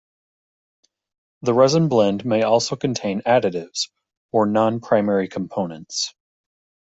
The resin blend may also contain additives, or non-primary components.